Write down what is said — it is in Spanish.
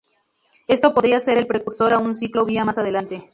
Esto podría ser el precursor a un ciclo vía más adelante.